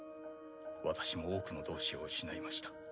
私も多くの同志を失いました。